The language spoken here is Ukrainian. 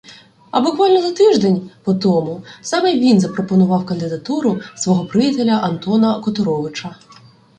а буквально за тиждень потому саме він запропонував кандидатуру свого приятеля Антона Которовича.